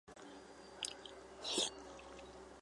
这一类还包括州政府和当地政府。